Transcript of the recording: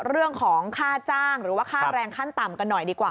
เรื่องของค่าจ้างหรือว่าค่าแรงขั้นต่ำกันหน่อยดีกว่า